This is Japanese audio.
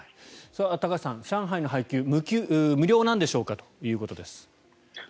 高橋さん上海の配給は無料なのでしょうかということです。